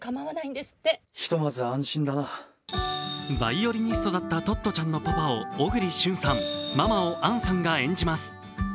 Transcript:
バイオリニストだったトットちゃんのパパを小栗旬さん、ママを杏さんが演じます。